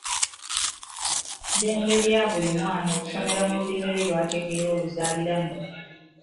Ddembe lya buli mwana okusomera mu Lulimi lwe lw’ategeera oluzaalilanwa.